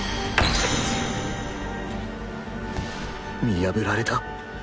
見破られた？